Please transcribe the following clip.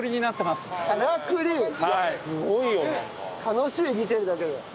楽しい見てるだけで。